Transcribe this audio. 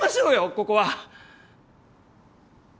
ここは！